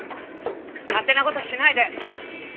勝手な事しないで！